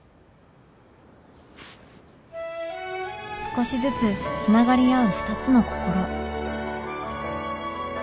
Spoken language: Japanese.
少しずつ繋がり合う２つの心